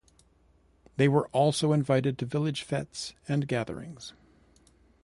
They were also invited to village fetes and gatherings.